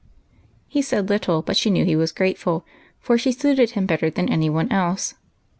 He said little, but she knew he was grateful, for she suited hira better than any one else.